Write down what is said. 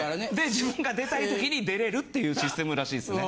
自分が出たい時に出れるっていうシステムらしいですね。